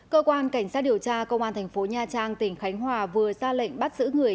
cơ quan cảnh sát điều tra công an thành phố nha trang tỉnh khánh hòa vừa ra lệnh bắt giữ người